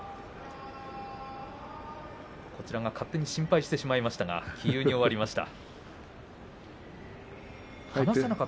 こちらが勝手に心配してしまいましたけどもき憂に終わりました。